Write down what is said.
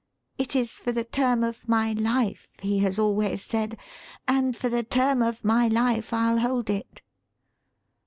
'It is for the term of my life,' he has always said, 'and for the term of my life I'll hold it!'"